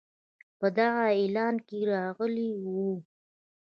په دغه اعلان کې راغلی وو.